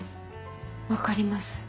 分かります？